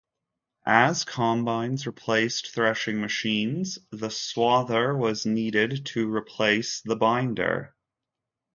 As combines replaced threshing machines, the swather was needed to replace the binder.